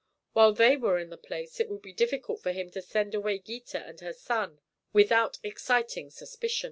While they were in the place it would be difficult for him to send away Gita and her son without exciting suspicion.